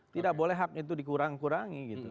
tidak boleh hak itu dikurang kurangi gitu